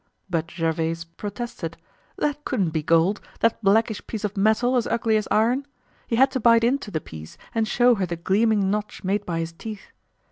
But Gervaise protested; that couldn't be gold, that blackish piece of metal as ugly as iron! He had to bite into the piece and show her the gleaming notch made by his teeth.